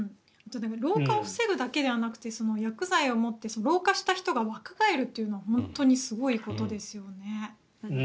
老化を防ぐだけじゃなくて薬剤をもって老化した人が若返るというのは本当にすごいことですよね。